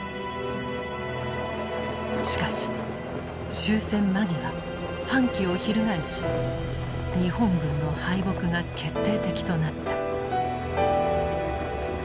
しかし終戦間際反旗を翻し日本軍の敗北が決定的となった。